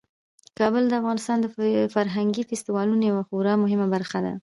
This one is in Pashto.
کابل د افغانستان د فرهنګي فستیوالونو یوه خورا مهمه برخه ده.